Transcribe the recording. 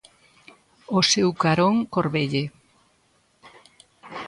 Ao seu carón Corbelle.